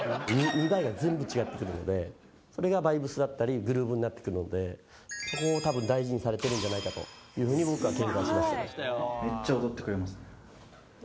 見栄えが全部違ってくるのでそれがバイブスだったりグルーヴになってくるのでそこを多分大事にされてるんじゃないかというふうに僕は見解しました。